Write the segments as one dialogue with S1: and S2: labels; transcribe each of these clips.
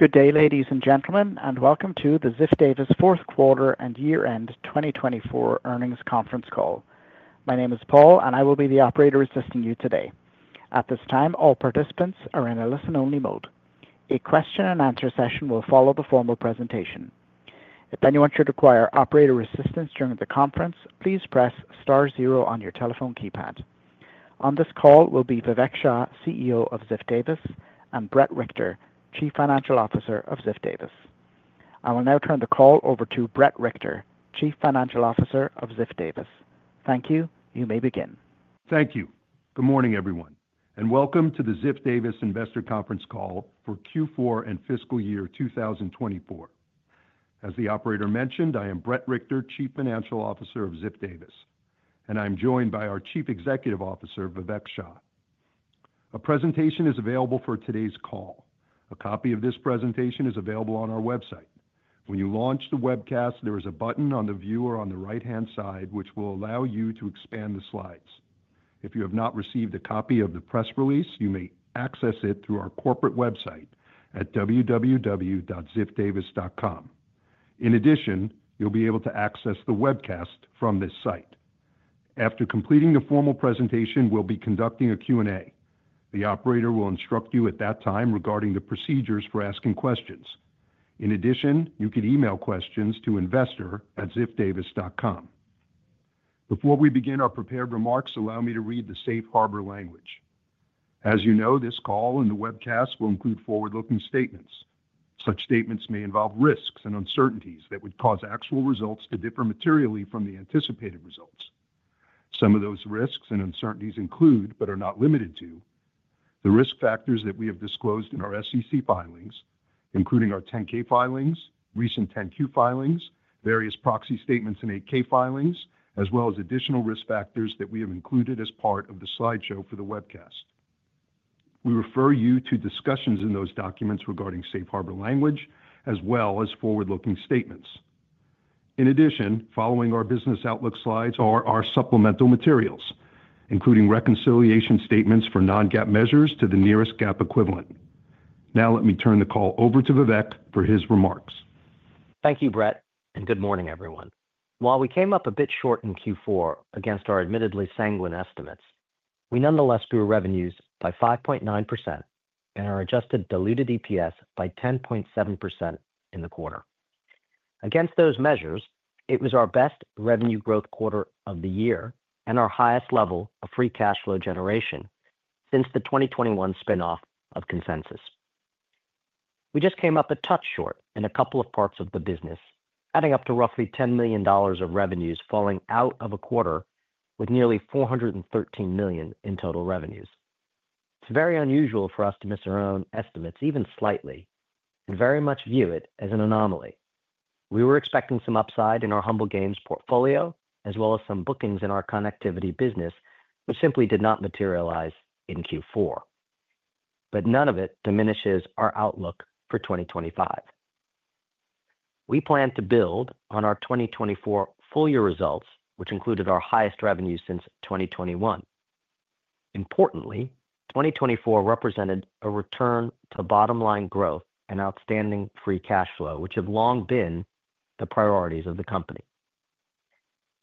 S1: Good day, ladies and gentlemen, and welcome to the Ziff Davis Q4 and Year End 2024 Earnings Conference Call. My name is Paul, and I will be the operator assisting you today. At this time, all participants are in a listen-only mode. A question-and-answer session will follow the formal presentation. If anyone should require operator assistance during the conference, please press star zero on your telephone keypad. On this call will be Vivek Shah, CEO of Ziff Davis, and Bret Richter, Chief Financial Officer of Ziff Davis. I will now turn the call over to Bret Richter, Chief Financial Officer of Ziff Davis. Thank you. You may begin.
S2: Thank you. Good morning, everyone, and welcome to the Ziff Davis Investor Conference Call For Q4 And Fiscal Year 2024. As the operator mentioned, I am Bret Richter, Chief Financial Officer of Ziff Davis, and I'm joined by our Chief Executive Officer, Vivek Shah. A presentation is available for today's call. A copy of this presentation is available on our website. When you launch the webcast, there is a button on the viewer on the right-hand side which will allow you to expand the slides. If you have not received a copy of the press release, you may access it through our corporate website at www.ziffdavis.com. In addition, you'll be able to access the webcast from this site. After completing the formal presentation, we'll be conducting a Q&A. The operator will instruct you at that time regarding the procedures for asking questions. In addition, you can email questions to investor@ziffdavis.com. Before we begin our prepared remarks, allow me to read the safe harbor language. As you know, this call and the webcast will include forward-looking statements. Such statements may involve risks and uncertainties that would cause actual results to differ materially from the anticipated results. Some of those risks and uncertainties include, but are not limited to, the risk factors that we have disclosed in our SEC filings, including our 10-K filings, recent 10-Q filings, various proxy statements in 8-K filings, as well as additional risk factors that we have included as part of the slideshow for the webcast. We refer you to discussions in those documents regarding safe harbor language as well as forward-looking statements. In addition, following our business outlook slides are our supplemental materials, including reconciliation statements for non-GAAP measures to the nearest GAAP equivalent. Now let me turn the call over to Vivek for his remarks.
S3: Thank you, Brett, and good morning, everyone. While we came up a bit short in Q4 against our admittedly sanguine estimates, we nonetheless grew revenues by 5.9% and our adjusted diluted EPS by 10.7% in the quarter. Against those measures, it was our best revenue growth quarter of the year and our highest level of free cash flow generation since the 2021 spinoff of Consensus. We just came up a touch short in a couple of parts of the business, adding up to roughly $10 million of revenues falling out of a quarter with nearly $413 million in total revenues. It's very unusual for us to miss our own estimates even slightly and very much view it as an anomaly. We were expecting some upside in our Humble Games portfolio as well as some bookings in our connectivity business, which simply did not materialize in Q4. But none of it diminishes our outlook for 2025. We plan to build on our 2024 full-year results, which included our highest revenue since 2021. Importantly, 2024 represented a return to bottom-line growth and outstanding free cash flow, which have long been the priorities of the company.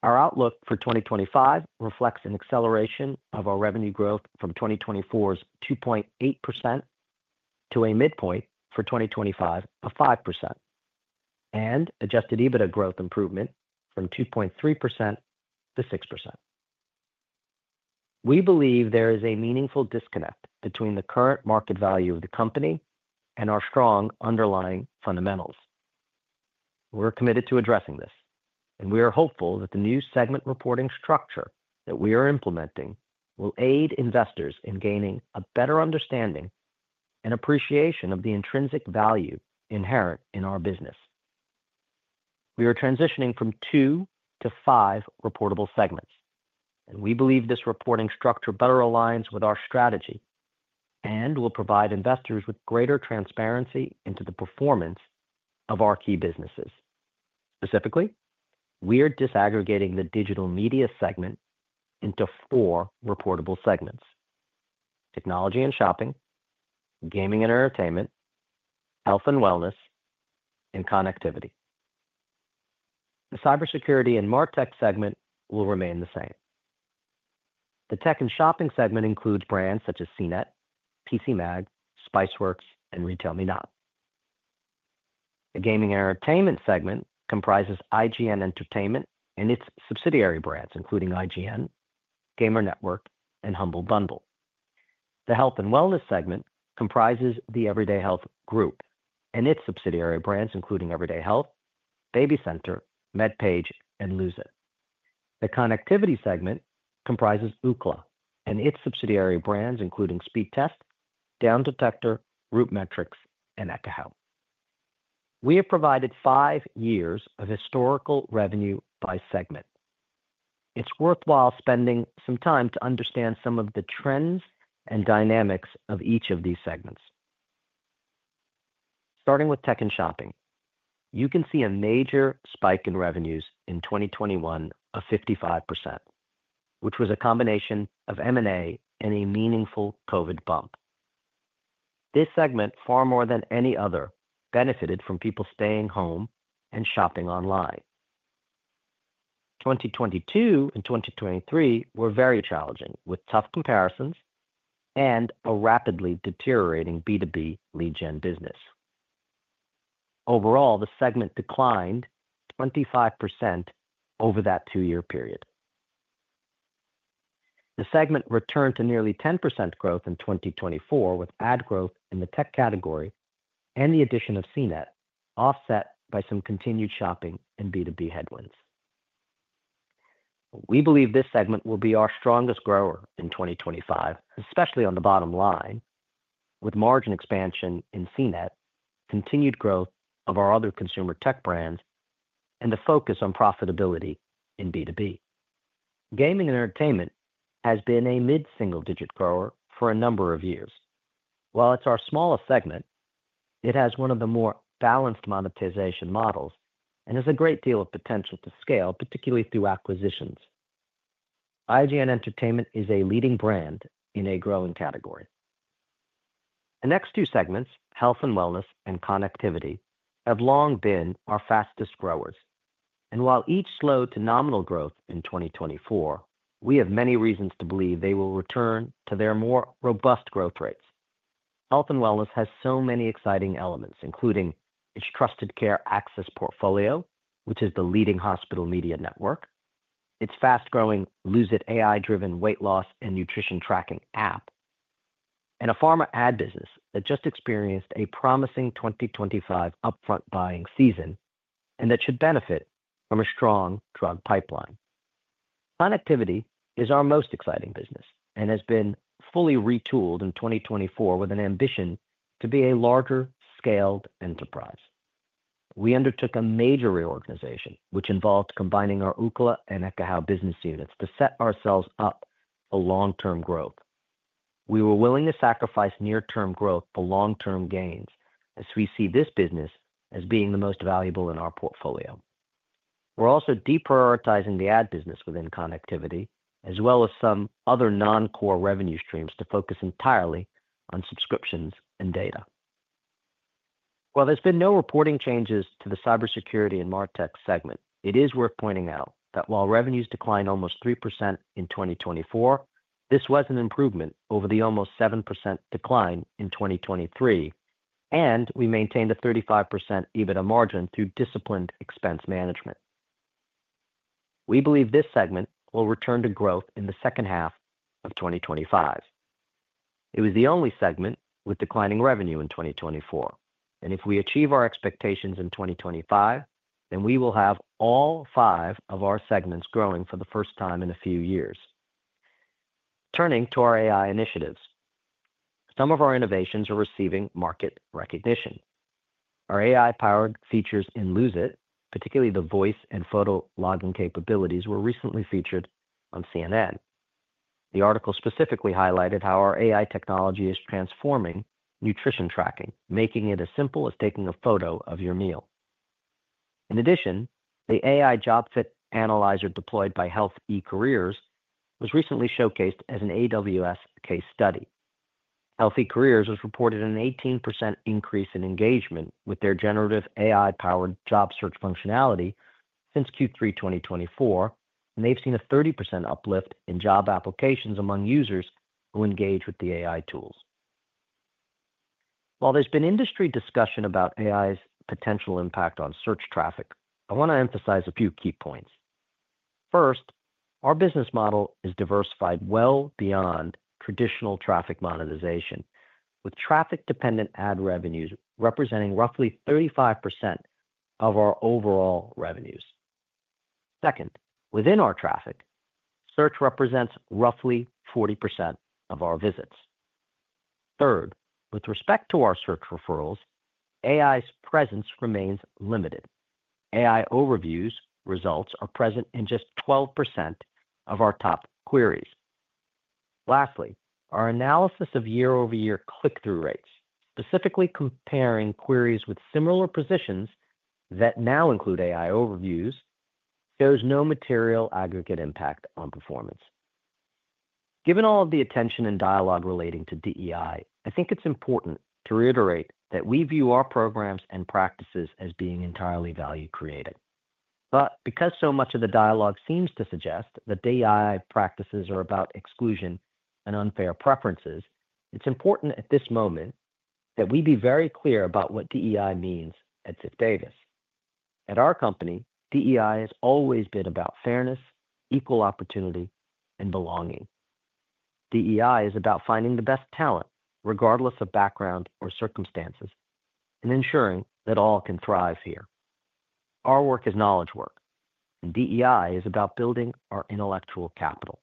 S3: Our outlook for 2025 reflects an acceleration of our revenue growth from 2024's 2.8% to a midpoint for 2025 of 5% and Adjusted EBITDA growth improvement from 2.3% to 6%. We believe there is a meaningful disconnect between the current market value of the company and our strong underlying fundamentals. We're committed to addressing this, and we are hopeful that the new segment reporting structure that we are implementing will aid investors in gaining a better understanding and appreciation of the intrinsic value inherent in our business. We are transitioning from two to five reportable segments, and we believe this reporting structure better aligns with our strategy and will provide investors with greater transparency into the performance of our key businesses. Specifically, we are disaggregating the digital media segment into four reportable segments: technology and shopping, gaming and entertainment, health and wellness, and connectivity. The cybersecurity and MarTech segment will remain the same. The tech and shopping segment includes brands such as CNET, PCMag, Spiceworks, and RetailMeNot. The gaming and entertainment segment comprises IGN Entertainment and its subsidiary brands, including IGN, Gamer Network, and Humble Bundle. The health and wellness segment comprises the Everyday Health Group and its subsidiary brands, including Everyday Health, BabyCenter, MedPage, and Lose It. The connectivity segment comprises Ookla and its subsidiary brands, including Speedtest, Downdetector, RootMetrics, and Ekahau. We have provided five years of historical revenue by segment. It's worthwhile spending some time to understand some of the trends and dynamics of each of these segments. Starting with tech and shopping, you can see a major spike in revenues in 2021 of 55%, which was a combination of M&A and a meaningful COVID bump. This segment, far more than any other, benefited from people staying home and shopping online. 2022 and 2023 were very challenging with tough comparisons and a rapidly deteriorating B2B lead gen business. Overall, the segment declined 25% over that two-year period. The segment returned to nearly 10% growth in 2024 with ad growth in the tech category and the addition of CNET, offset by some continued shopping and B2B headwinds. We believe this segment will be our strongest grower in 2025, especially on the bottom line, with margin expansion in CNET, continued growth of our other consumer tech brands, and the focus on profitability in B2B. Gaming and entertainment has been a mid-single-digit grower for a number of years. While it's our smallest segment, it has one of the more balanced monetization models and has a great deal of potential to scale, particularly through acquisitions. IGN Entertainment is a leading brand in a growing category. The next two segments, health and wellness and connectivity, have long been our fastest growers, and while each slowed to nominal growth in 2024, we have many reasons to believe they will return to their more robust growth rates. Health and wellness has so many exciting elements, including its trusted care access portfolio, which is the leading hospital media network, its fast-growing Lose It! AI-driven weight loss and nutrition tracking app, and a pharma ad business that just experienced a promising 2025 upfront buying season and that should benefit from a strong drug pipeline. Connectivity is our most exciting business and has been fully retooled in 2024 with an ambition to be a larger-scaled enterprise. We undertook a major reorganization, which involved combining our Ookla and Ekahau business units to set ourselves up for long-term growth. We were willing to sacrifice near-term growth for long-term gains as we see this business as being the most valuable in our portfolio. We're also deprioritizing the ad business within connectivity, as well as some other non-core revenue streams to focus entirely on subscriptions and data. While there's been no reporting changes to the cybersecurity and MarTech segment, it is worth pointing out that while revenues declined almost 3% in 2024, this was an improvement over the almost 7% decline in 2023, and we maintained a 35% EBITDA margin through disciplined expense management. We believe this segment will return to growth in the second half of 2025. It was the only segment with declining revenue in 2024, and if we achieve our expectations in 2025, then we will have all five of our segments growing for the first time in a few years. Turning to our AI initiatives, some of our innovations are receiving market recognition. Our AI-powered features in Lose It, particularly the voice and photo logging capabilities, were recently featured on CNN. The article specifically highlighted how our AI technology is transforming nutrition tracking, making it as simple as taking a photo of your meal. In addition, the AI Job Fit Analyzer deployed by Health eCareers was recently showcased as an AWS case study. Health eCareers has reported an 18% increase in engagement with their generative AI-powered job search functionality since Q3 2024, and they've seen a 30% uplift in job applications among users who engage with the AI tools. While there's been industry discussion about AI's potential impact on search traffic, I want to emphasize a few key points. First, our business model is diversified well beyond traditional traffic monetization, with traffic-dependent ad revenues representing roughly 35% of our overall revenues. Second, within our traffic, search represents roughly 40% of our visits. Third, with respect to our search referrals, AI's presence remains limited. AI Overviews results are present in just 12% of our top queries. Lastly, our analysis of year-over-year click-through rates, specifically comparing queries with similar positions that now include AI Overviews, shows no material aggregate impact on performance. Given all of the attention and dialogue relating to DEI, I think it's important to reiterate that we view our programs and practices as being entirely value-created. But because so much of the dialogue seems to suggest that DEI practices are about exclusion and unfair preferences, it's important at this moment that we be very clear about what DEI means at Ziff Davis. At our company, DEI has always been about fairness, equal opportunity, and belonging. DEI is about finding the best talent, regardless of background or circumstances, and ensuring that all can thrive here. Our work is knowledge work, and DEI is about building our intellectual capital.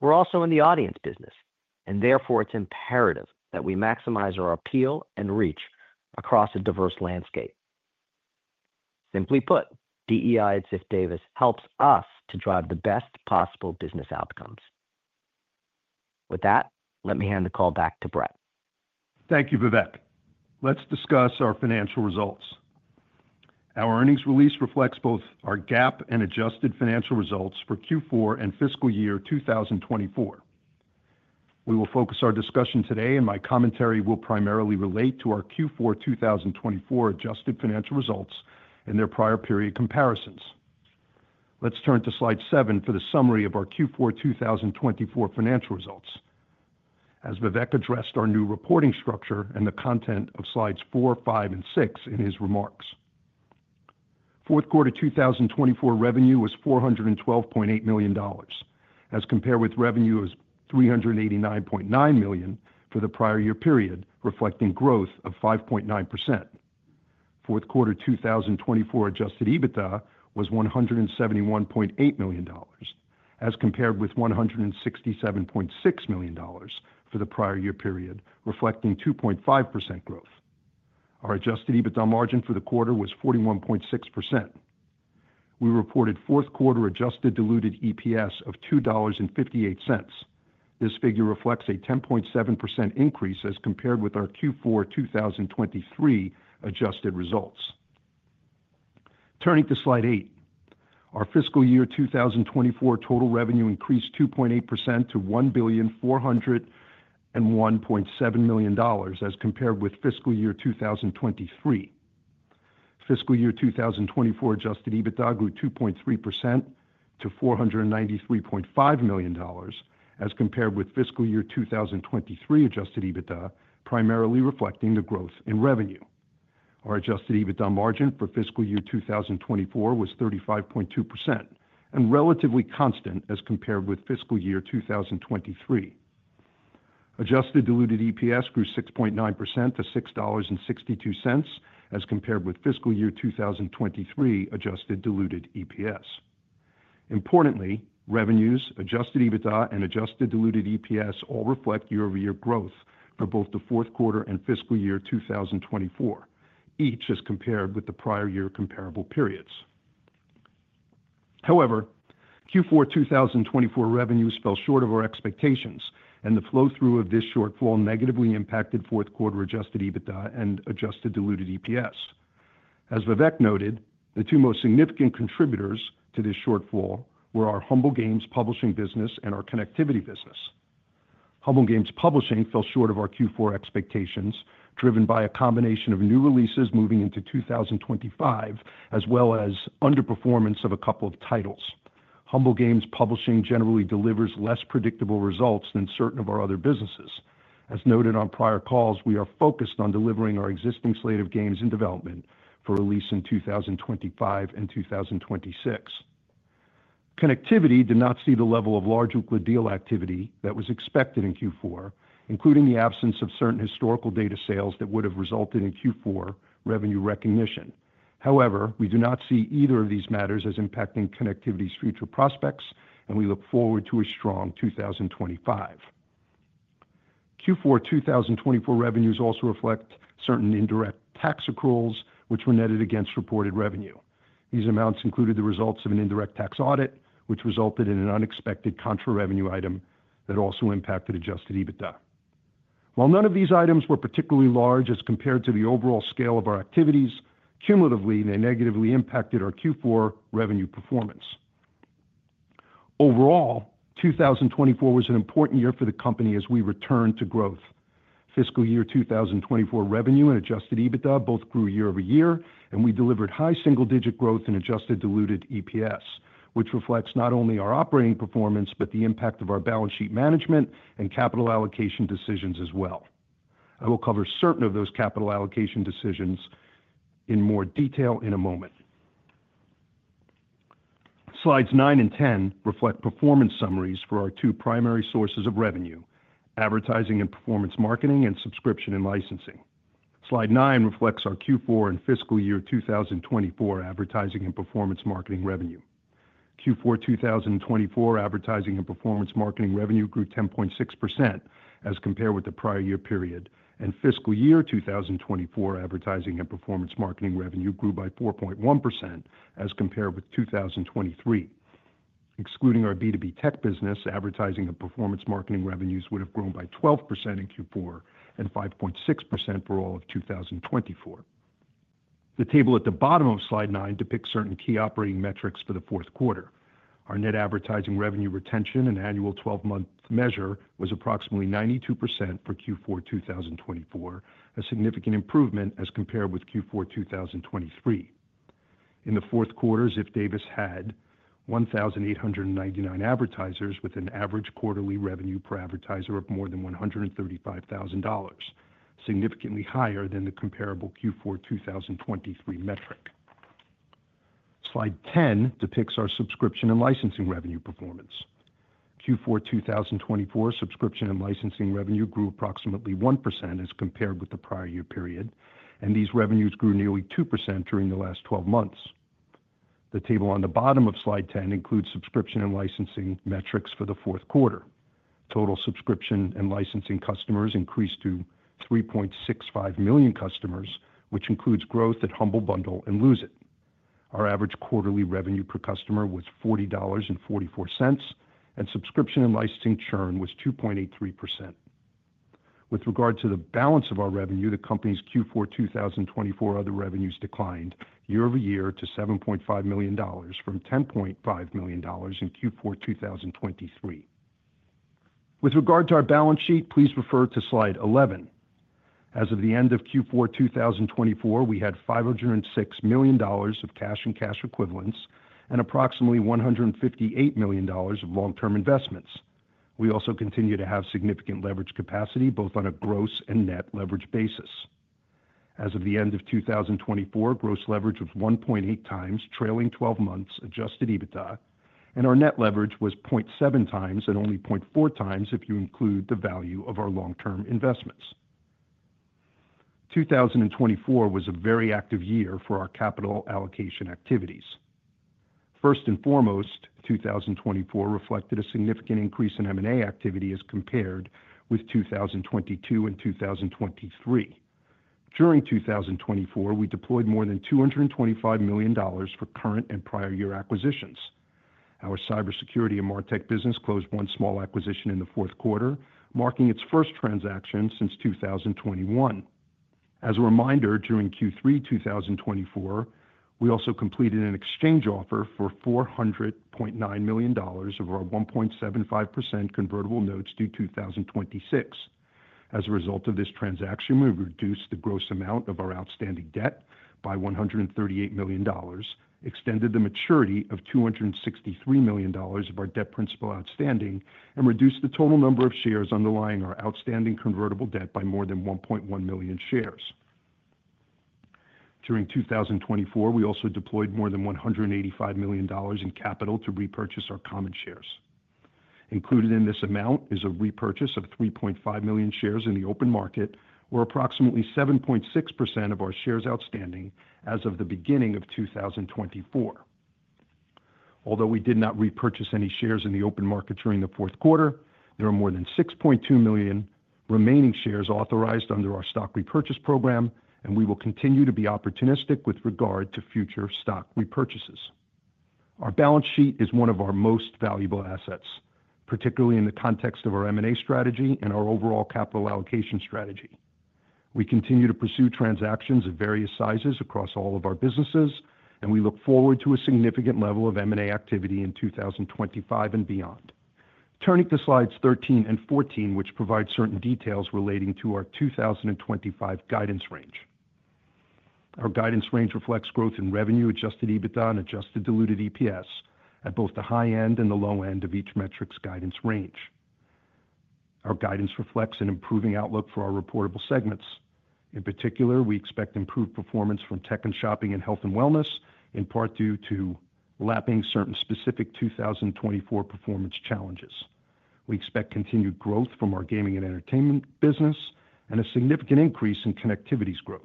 S3: We're also in the audience business, and therefore it's imperative that we maximize our appeal and reach across a diverse landscape. Simply put, DEI at Ziff Davis helps us to drive the best possible business outcomes. With that, let me hand the call back to Brett.
S2: Thank you, Vivek. Let's discuss our financial results. Our earnings release reflects both our GAAP and adjusted financial results for Q4 and fiscal year 2024. We will focus our discussion today, and my commentary will primarily relate to our Q4 2024 adjusted financial results and their prior period comparisons. Let's turn to slide 7 for the summary of our Q4 2024 financial results, as Vivek addressed our new reporting structure and the content of slides 4, 5, and 6 in his remarks. Q4 2024 revenue was $412.8 million, as compared with revenue of $389.9 million for the prior year period, reflecting growth of 5.9%. Q4 2024 adjusted EBITDA was $171.8 million, as compared with $167.6 million for the prior year period, reflecting 2.5% growth. Our adjusted EBITDA margin for the quarter was 41.6%. We reported Q4 adjusted diluted EPS of $2.58. This figure reflects a 10.7% increase as compared with our Q4 2023 adjusted results. Turning to slide 8, our fiscal year 2024 total revenue increased 2.8% to $1,401.7 million as compared with fiscal year 2023. Fiscal year 2024 adjusted EBITDA grew 2.3% to $493.5 million as compared with fiscal year 2023 adjusted EBITDA, primarily reflecting the growth in revenue. Our adjusted EBITDA margin for fiscal year 2024 was 35.2% and relatively constant as compared with fiscal year 2023. Adjusted diluted EPS grew 6.9% to $6.62 as compared with fiscal year 2023 adjusted diluted EPS. Importantly, revenues, adjusted EBITDA, and adjusted diluted EPS all reflect year-over-year growth for both the Q4 and fiscal year 2024, each as compared with the prior year comparable periods. However, Q4 2024 revenues fell short of our expectations, and the flow-through of this shortfall negatively impacted Q4 adjusted EBITDA and adjusted diluted EPS. As Vivek noted, the two most significant contributors to this shortfall were our Humble Games publishing business and our connectivity business. Humble Games Publishing fell short of our Q4 expectations, driven by a combination of new releases moving into 2025, as well as underperformance of a couple of titles. Humble Games Publishing generally delivers less predictable results than certain of our other businesses. As noted on prior calls, we are focused on delivering our existing slate of games in development for release in 2025 and 2026. Connectivity did not see the level of large Ookla deal activity that was expected in Q4, including the absence of certain historical data sales that would have resulted in Q4 revenue recognition. However, we do not see either of these matters as impacting connectivity's future prospects, and we look forward to a strong 2025. Q4 2024 revenues also reflect certain indirect tax accruals, which were netted against reported revenue. These amounts included the results of an indirect tax audit, which resulted in an unexpected contra-revenue item that also impacted Adjusted EBITDA. While none of these items were particularly large as compared to the overall scale of our activities, cumulatively, they negatively impacted our Q4 revenue performance. Overall, 2024 was an important year for the company as we returned to growth. Fiscal year 2024 revenue and Adjusted EBITDA both grew year-over-year, and we delivered high single-digit growth in Adjusted Diluted EPS, which reflects not only our operating performance but the impact of our balance sheet management and capital allocation decisions as well. I will cover certain of those capital allocation decisions in more detail in a moment. Slides 9 and 10 reflect performance summaries for our two primary sources of revenue: advertising and performance marketing and subscription and licensing. Slide 9 reflects our Q4 and fiscal year 2024 advertising and performance marketing revenue. Q4 2024 advertising and performance marketing revenue grew 10.6% as compared with the prior year period, and fiscal year 2024 advertising and performance marketing revenue grew by 4.1% as compared with 2023. Excluding our B2B tech business, advertising and performance marketing revenues would have grown by 12% in Q4 and 5.6% for all of 2024. The table at the bottom of slide 9 depicts certain key operating metrics for the Q4. Our net advertising revenue retention, an annual 12-month measure, was approximately 92% for Q4 2024, a significant improvement as compared with Q4 2023. In the Q4, Ziff Davis had 1,899 advertisers with an average quarterly revenue per advertiser of more than $135,000, significantly higher than the comparable Q4 2023 metric. Slide 10 depicts our subscription and licensing revenue performance. Q4 2024 subscription and licensing revenue grew approximately 1% as compared with the prior year period, and these revenues grew nearly 2% during the last 12 months. The table on the bottom of slide 10 includes subscription and licensing metrics for the Q4. Total subscription and licensing customers increased to 3.65 million customers, which includes growth at Humble Bundle and Lose It. Our average quarterly revenue per customer was $40.44, and subscription and licensing churn was 2.83%. With regard to the balance of our revenue, the company's Q4 2024 other revenues declined year-over-year to $7.5 million, from $10.5 million in Q4 2023. With regard to our balance sheet, please refer to slide 11. As of the end of Q4 2024, we had $506 million of cash and cash equivalents and approximately $158 million of long-term investments. We also continue to have significant leverage capacity, both on a gross and net leverage basis. As of the end of 2024, gross leverage was 1.8x, trailing 12 months adjusted EBITDA, and our net leverage was 0.7x and only 0.4x if you include the value of our long-term investments. 2024 was a very active year for our capital allocation activities. First and foremost, 2024 reflected a significant increase in M&A activity as compared with 2022 and 2023. During 2024, we deployed more than $225 million for current and prior year acquisitions. Our cybersecurity and MarTech business closed one small acquisition in the Q4, marking its first transaction since 2021. As a reminder, during Q3 2024, we also completed an exchange offer for $400.9 million of our 1.75% convertible notes due 2026. As a result of this transaction, we reduced the gross amount of our outstanding debt by $138 million, extended the maturity of $263 million of our debt principal outstanding, and reduced the total number of shares underlying our outstanding convertible debt by more than 1.1 million shares. During 2024, we also deployed more than $185 million in capital to repurchase our common shares. Included in this amount is a repurchase of 3.5 million shares in the open market, or approximately 7.6% of our shares outstanding as of the beginning of 2024. Although we did not repurchase any shares in the open market during the Q4, there are more than 6.2 million remaining shares authorized under our stock repurchase program, and we will continue to be opportunistic with regard to future stock repurchases. Our balance sheet is one of our most valuable assets, particularly in the context of our M&A strategy and our overall capital allocation strategy. We continue to pursue transactions of various sizes across all of our businesses, and we look forward to a significant level of M&A activity in 2025 and beyond. Turning to slides 13 and 14, which provide certain details relating to our 2025 guidance range. Our guidance range reflects growth in revenue, Adjusted EBITDA, and Adjusted Diluted EPS at both the high end and the low end of each metric's guidance range. Our guidance reflects an improving outlook for our reportable segments. In particular, we expect improved performance from tech and shopping and health and wellness, in part due to lapping certain specific 2024 performance challenges. We expect continued growth from our gaming and entertainment business and a significant increase in connectivity's growth.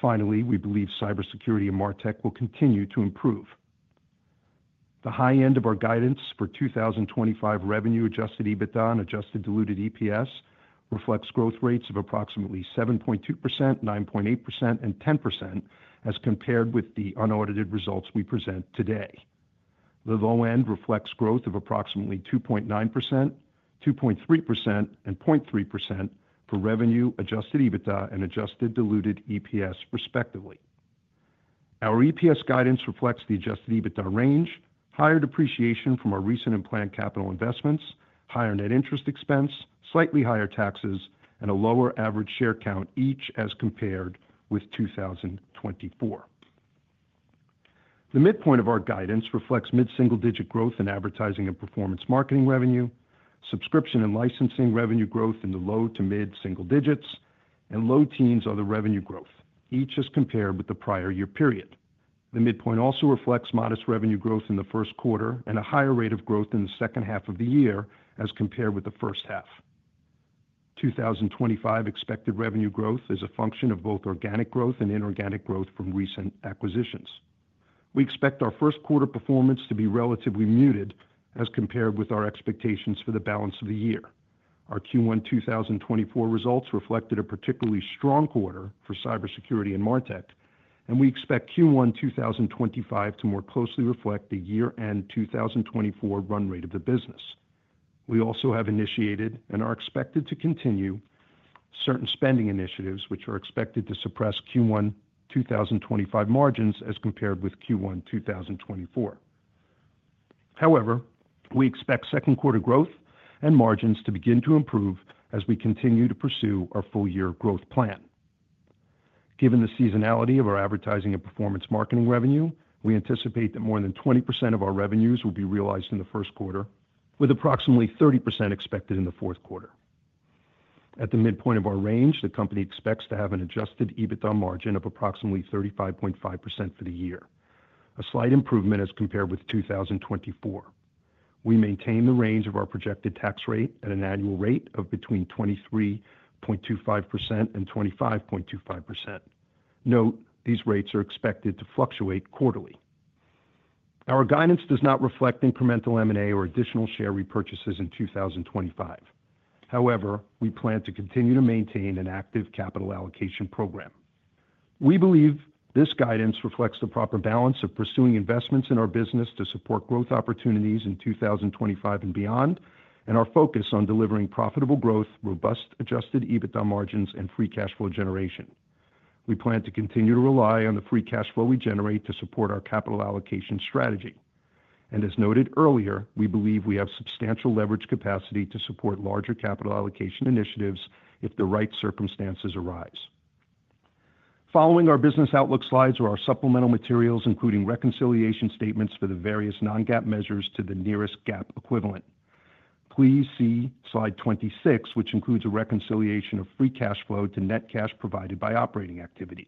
S2: Finally, we believe cybersecurity and MarTech will continue to improve. The high end of our guidance for 2025 revenue, Adjusted EBITDA, and Adjusted Diluted EPS reflects growth rates of approximately 7.2%, 9.8%, and 10% as compared with the unaudited results we present today. The low end reflects growth of approximately 2.9%, 2.3%, and 0.3% for revenue, Adjusted EBITDA, and Adjusted Diluted EPS, respectively. Our EPS guidance reflects the Adjusted EBITDA range, higher depreciation from our recent and planned capital investments, higher net interest expense, slightly higher taxes, and a lower average share count, each as compared with 2024. The midpoint of our guidance reflects mid-single-digit growth in advertising and performance marketing revenue, subscription and licensing revenue growth in the low to mid-single digits, and low teens other revenue growth, each as compared with the prior year period. The midpoint also reflects modest revenue growth in the Q1 and a higher rate of growth in the second half of the year as compared with the first half. 2025 expected revenue growth is a function of both organic growth and inorganic growth from recent acquisitions. We expect our Q1 performance to be relatively muted as compared with our expectations for the balance of the year. Our Q1 2024 results reflected a particularly strong quarter for cybersecurity and MarTech, and we expect Q1 2025 to more closely reflect the year-end 2024 run rate of the business. We also have initiated and are expected to continue certain spending initiatives which are expected to suppress Q1 2025 margins as compared with Q1 2024. However, we expect Q2 growth and margins to begin to improve as we continue to pursue our full-year growth plan. Given the seasonality of our advertising and performance marketing revenue, we anticipate that more than 20% of our revenues will be realized in the Q1, with approximately 30% expected in the Q4. At the midpoint of our range, the company expects to have an Adjusted EBITDA margin of approximately 35.5% for the year, a slight improvement as compared with 2024. We maintain the range of our projected tax rate at an annual rate of between 23.25% and 25.25%. Note these rates are expected to fluctuate quarterly. Our guidance does not reflect incremental M&A or additional share repurchases in 2025. However, we plan to continue to maintain an active capital allocation program. We believe this guidance reflects the proper balance of pursuing investments in our business to support growth opportunities in 2025 and beyond, and our focus on delivering profitable growth, robust Adjusted EBITDA margins, and Free Cash Flow generation. We plan to continue to rely on the Free Cash Flow we generate to support our capital allocation strategy. And as noted earlier, we believe we have substantial leverage capacity to support larger capital allocation initiatives if the right circumstances arise. Following our business outlook slides are our supplemental materials, including reconciliation statements for the various non-GAAP measures to the nearest GAAP equivalent. Please see slide 26, which includes a reconciliation of Free Cash Flow to net cash provided by operating activities.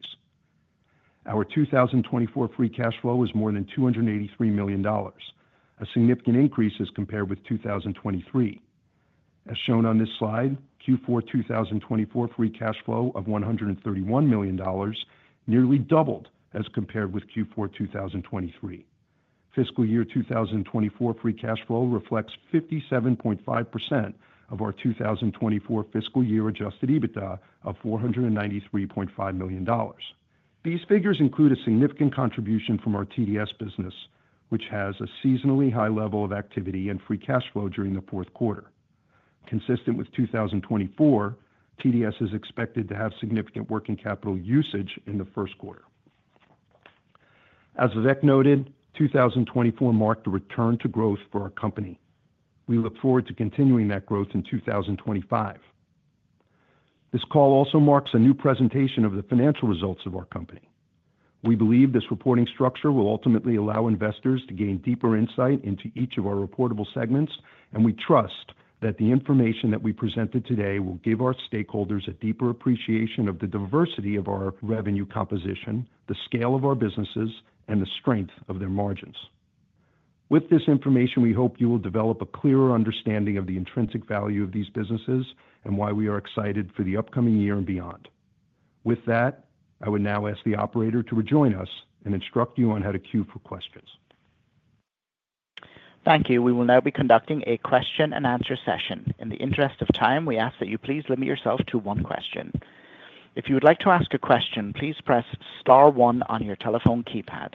S2: Our 2024 Free Cash Flow is more than $283 million, a significant increase as compared with 2023. As shown on this slide, Q4 2024 Free Cash Flow of $131 million nearly doubled as compared with Q4 2023. Fiscal year 2024 Free Cash Flow reflects 57.5% of our 2024 fiscal year Adjusted EBITDA of $493.5 million. These figures include a significant contribution from our TDS business, which has a seasonally high level of activity and Free Cash Flow during the Q4. Consistent with 2024, TDS is expected to have significant working capital usage in the Q1. As Vivek noted, 2024 marked a return to growth for our company. We look forward to continuing that growth in 2025. This call also marks a new presentation of the financial results of our company. We believe this reporting structure will ultimately allow investors to gain deeper insight into each of our reportable segments, and we trust that the information that we presented today will give our stakeholders a deeper appreciation of the diversity of our revenue composition, the scale of our businesses, and the strength of their margins. With this information, we hope you will develop a clearer understanding of the intrinsic value of these businesses and why we are excited for the upcoming year and beyond. With that, I would now ask the operator to rejoin us and instruct you on how to queue for questions.
S1: Thank you. We will now be conducting a question-and-answer session. In the interest of time, we ask that you please limit yourself to one question. If you would like to ask a question, please press Star 1 on your telephone keypad.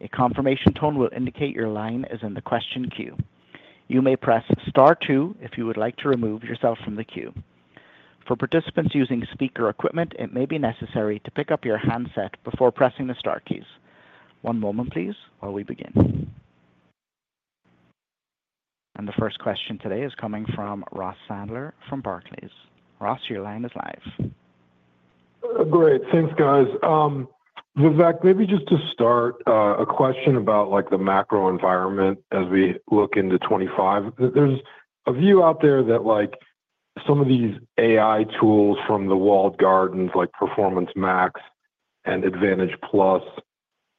S1: A confirmation tone will indicate your line is in the question queue. You may press Star 2 if you would like to remove yourself from the queue. For participants using speaker equipment, it may be necessary to pick up your handset before pressing the Star keys. One moment, please, while we begin. The first question today is coming from Ross Sandler from Barclays. Ross, your line is live.
S3: Great. Thanks, guys. Vivek, maybe just to start, a question about the macro environment as we look into 2025. There's a view out there that some of these AI tools from the Walled Gardens, like Performance Max and Advantage Plus,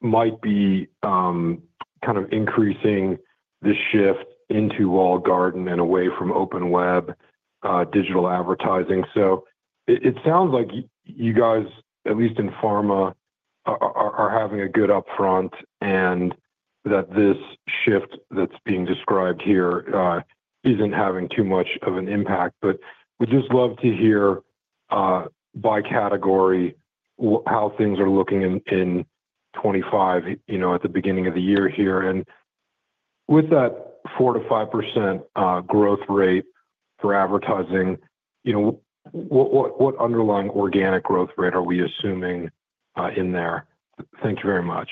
S3: might be kind of increasing the shift into Walled Garden and away from open web digital advertising. So it sounds like you guys, at least in pharma, are having a good upfront and that this shift that's being described here isn't having too much of an impact. But we'd just love to hear, by category, how things are looking in 2025 at the beginning of the year here. And with that 4% to 5% growth rate for advertising, what underlying organic growth rate are we assuming in there? Thank you very much.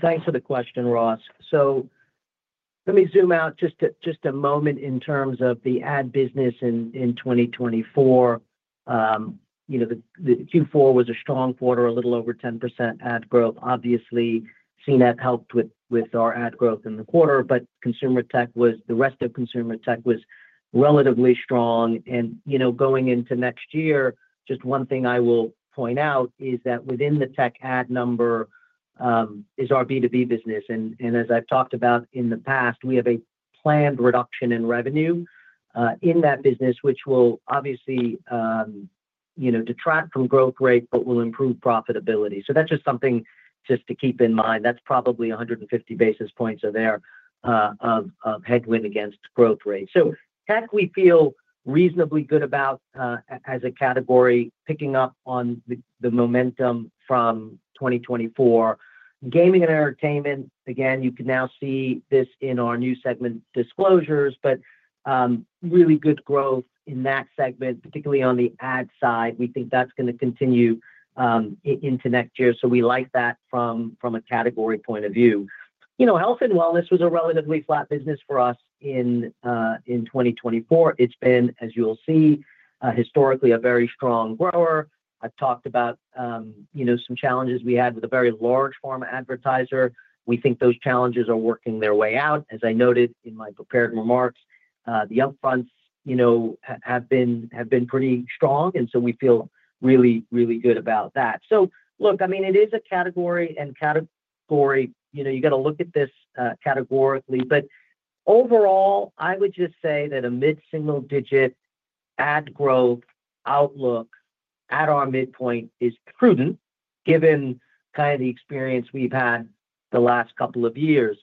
S2: Thanks for the question, Ross. So let me zoom out just a moment in terms of the ad business in 2024. The Q4 was a strong quarter, a little over 10% ad growth. Obviously, CNET helped with our ad growth in the quarter, but the rest of consumer tech was relatively strong. And going into next year, just one thing I will point out is that within the tech ad number is our B2B business. And as I've talked about in the past, we have a planned reduction in revenue in that business, which will obviously detract from growth rate, but will improve profitability. So that's just something to keep in mind. That's probably 150 basis points of headwind against growth rate. So tech we feel reasonably good about as a category, picking up on the momentum from 2024. Gaming and Entertainment, again, you can now see this in our new segment disclosures, but really good growth in that segment, particularly on the ad side. We think that's going to continue into next year. So we like that from a category point of view. Health and wellness was a relatively flat business for us in 2024. It's been, as you'll see, historically a very strong grower. I've talked about some challenges we had with a very large pharma advertiser. We think those challenges are working their way out. As I noted in my prepared remarks, the upfronts have been pretty strong, and so we feel really, really good about that. So look, I mean, it is a category and category you got to look at this categorically. But overall, I would just say that a mid-single-digit ad growth outlook at our midpoint is prudent given kind of the experience we've had the last couple of years.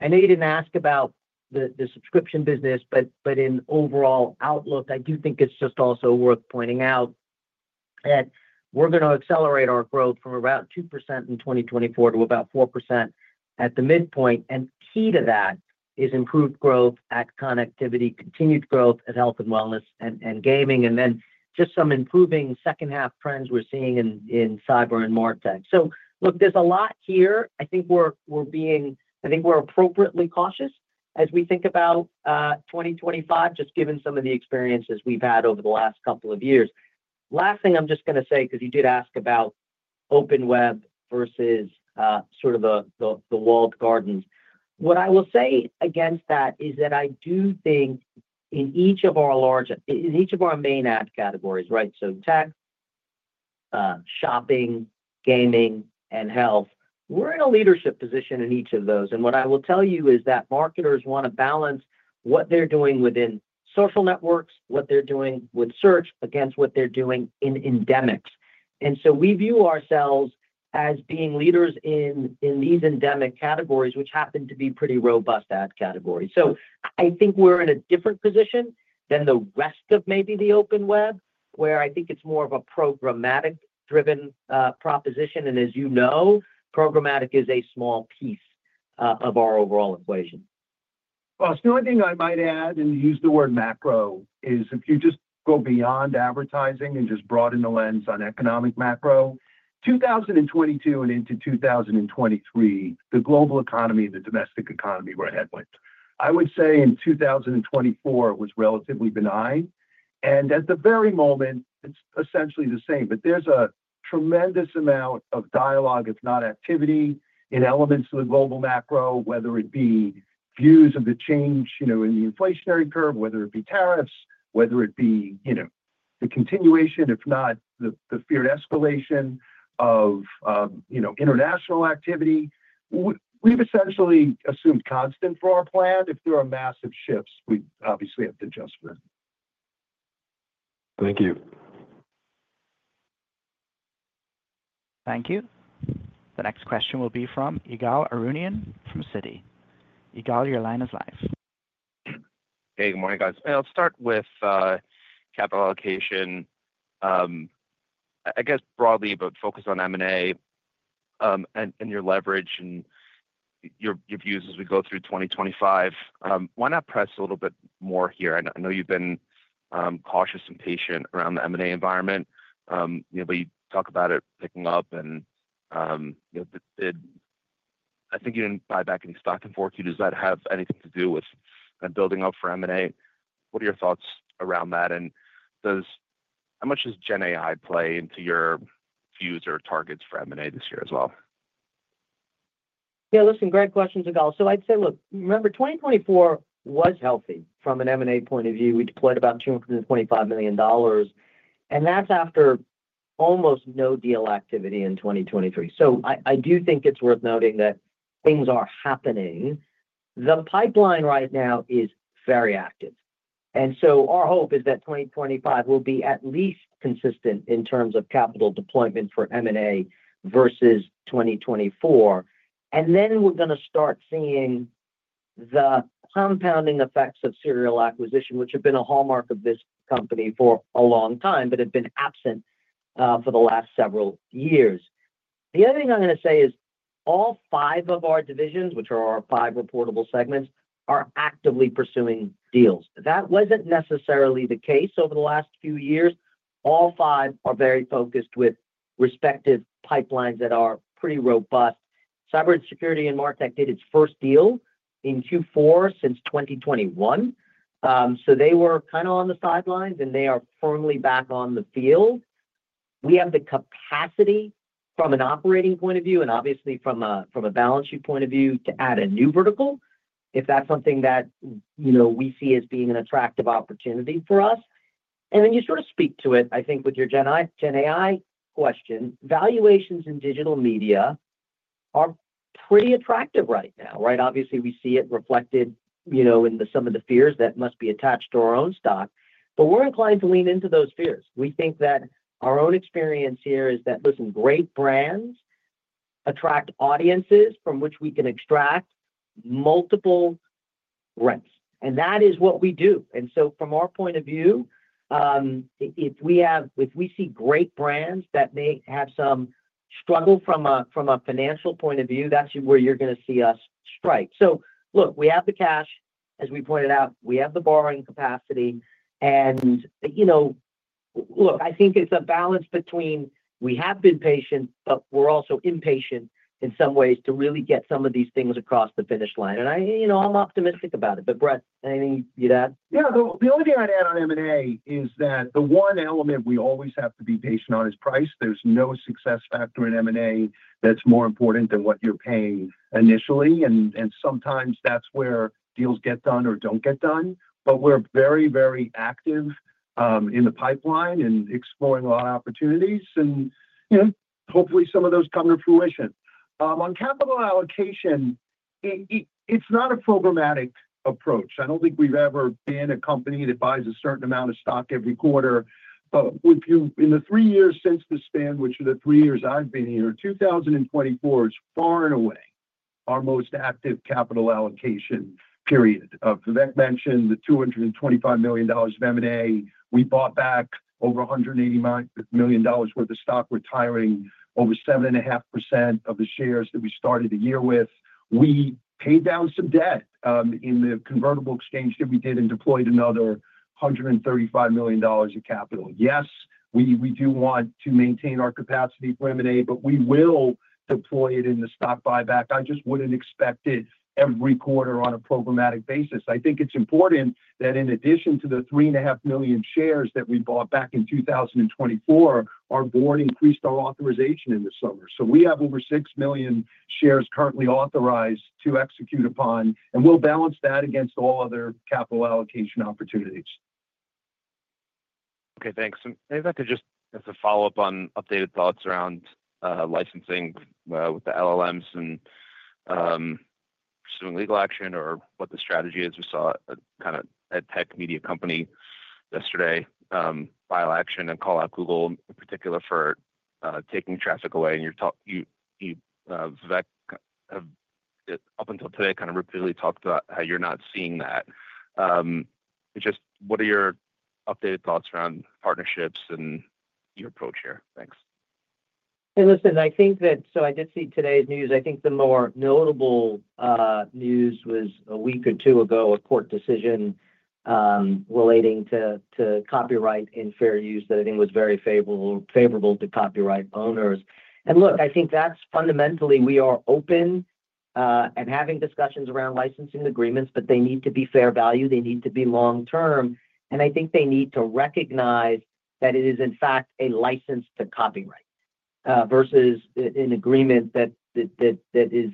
S2: I know you didn't ask about the subscription business, but in overall outlook, I do think it's just also worth pointing out that we're going to accelerate our growth from around 2% in 2024 to about 4% at the midpoint. And key to that is improved growth at connectivity, continued growth at health and wellness and gaming, and then just some improving second-half trends we're seeing in cyber and MarTech. So look, there's a lot here. I think we're appropriately cautious as we think about 2025, just given some of the experiences we've had over the last couple of years. Last thing I'm just going to say, because you did ask about open web versus sort of the walled gardens. What I will say against that is that I do think in each of our main ad categories, right, so tech, shopping, gaming, and health, we're in a leadership position in each of those, and what I will tell you is that marketers want to balance what they're doing within social networks, what they're doing with search against what they're doing in endemics, and so we view ourselves as being leaders in these endemic categories, which happen to be pretty robust ad categories, so I think we're in a different position than the rest of maybe the open web, where I think it's more of a programmatic-driven proposition, and as you know, programmatic is a small piece of our overall equation.
S3: Ross, the only thing I might add, and use the word macro, is if you just go beyond advertising and just broaden the lens on economic macro, 2022 and into 2023, the global economy and the domestic economy were headwinds. I would say in 2024, it was relatively benign, and at the very moment, it's essentially the same, but there's a tremendous amount of dialogue, if not activity, in elements of the global macro, whether it be views of the change in the inflationary curve, whether it be tariffs, whether it be the continuation, if not the feared escalation of international activity. We've essentially assumed constant for our plan. If there are massive shifts, we obviously have to adjust for that.
S4: Thank you.
S1: Thank you. The next question will be from Ygal Arounian from Citi. Ygal, your line is live.
S5: Hey, good morning, guys. I'll start with capital allocation. I guess broadly, but focus on M&A and your leverage and your views as we go through 2025. Why not press a little bit more here? I know you've been cautious and patient around the M&A environment. We talk about it picking up. And I think you didn't buy back any stock in for you. Does that have anything to do with building up for M&A? What are your thoughts around that? And how much does GenAI play into your views or targets for M&A this year as well?
S3: Yeah, listen, great question, Ygal. So I'd say, look, remember, 2024 was healthy from an M&A point of view. We deployed about $225 million. And that's after almost no deal activity in 2023. So I do think it's worth noting that things are happening. The pipeline right now is very active. And so our hope is that 2025 will be at least consistent in terms of capital deployment for M&A versus 2024. And then we're going to start seeing the compounding effects of serial acquisition, which have been a hallmark of this company for a long time, but have been absent for the last several years. The other thing I'm going to say is all five of our divisions, which are our five reportable segments, are actively pursuing deals. That wasn't necessarily the case over the last few years. All five are very focused with respective pipelines that are pretty robust. Cyber and security and MarTech did its first deal in Q4 since 2021. So they were kind of on the sidelines, and they are firmly back on the field. We have the capacity from an operating point of view and obviously from a balance sheet point of view to add a new vertical if that's something that we see as being an attractive opportunity for us, and then you sort of speak to it, I think, with your GenAI question. Valuations in digital media are pretty attractive right now, right? Obviously, we see it reflected in some of the fears that must be attached to our own stock, but we're inclined to lean into those fears. We think that our own experience here is that, listen, great brands attract audiences from which we can extract multiple rents. That is what we do. And so from our point of view, if we see great brands that may have some struggle from a financial point of view, that's where you're going to see us strike. So look, we have the cash, as we pointed out. We have the borrowing capacity. And look, I think it's a balance between we have been patient, but we're also impatient in some ways to really get some of these things across the finish line. And I'm optimistic about it. But Brett, anything you'd add?
S2: Yeah. The only thing I'd add on M&A is that the one element we always have to be patient on is price. There's no success factor in M&A that's more important than what you're paying initially. And sometimes that's where deals get done or don't get done. But we're very, very active in the pipeline and exploring a lot of opportunities. And hopefully, some of those come to fruition. On capital allocation, it's not a programmatic approach. I don't think we've ever been a company that buys a certain amount of stock every quarter. But in the three years since the spin, which are the three years I've been here, 2024 is far and away our most active capital allocation period. Vivek mentioned the $225 million of M&A. We bought back over $180 million worth of stock, retiring over 7.5% of the shares that we started the year with. We paid down some debt in the convertible exchange that we did and deployed another $135 million of capital. Yes, we do want to maintain our capacity for M&A, but we will deploy it in the stock buyback. I just wouldn't expect it every quarter on a programmatic basis. I think it's important that in addition to the 3.5 million shares that we bought back in 2024, our board increased our authorization in the summer, so we have over 6 million shares currently authorized to execute upon, and we'll balance that against all other capital allocation opportunities.
S5: Okay, thanks, and if I could just as a follow-up on updated thoughts around licensing with the LLMs and pursuing legal action or what the strategy is. We saw kind of a tech media company yesterday file action and call out Google in particular for taking traffic away. And you, Vivek, have up until today kind of repeatedly talked about how you're not seeing that. Just what are your updated thoughts around partnerships and your approach here? Thanks.
S3: Hey, listen. I think that so I did see today's news. I think the more notable news was a week or two ago, a court decision relating to copyright and fair use that I think was very favourable to copyright owners. Look, I think that's fundamentally we are open and having discussions around licensing agreements, but they need to be fair value. They need to be long-term. I think they need to recognize that it is, in fact, a license to copyright versus an agreement that is